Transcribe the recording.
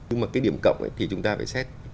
nhưng mà cái điểm cộng ấy thì chúng ta phải xét